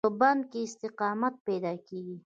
په بنده کې استقامت پیدا کېږي.